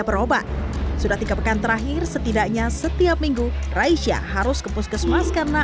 berobat sudah tiga pekan terakhir setidaknya setiap minggu raisyah harus ke puskesmas karena